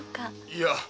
いや。